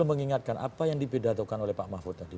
mengingatkan apa yang dipidatokan oleh pak mahfud tadi